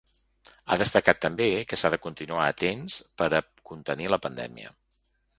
Ha destacat també que s’ha de continuar atents per a contenir la pandèmia.